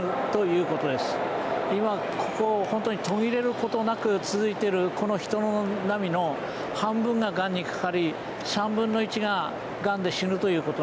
今ここ本当に途切れることなく続いているこの人の波の半分ががんにかかり1/3ががんで死ぬということなんです。